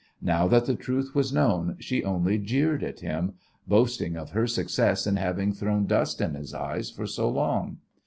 Now that the truth was known she only jeered at him, boasting of her success in having thrown dust in his eyes for so long.